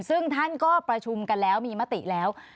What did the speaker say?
ซึ่งท่านก็ประชุมกันแล้วมีมติแล้ว